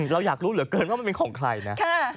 เราอยากรู้เหลือเกินว่ามันเป็นของใครนะ